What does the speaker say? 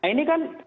nah ini kan